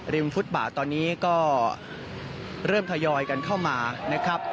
ฟุตบาทตอนนี้ก็เริ่มทยอยกันเข้ามานะครับ